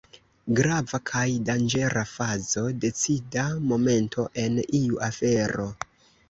Grava kaj danĝera fazo, decida momento en iu afero.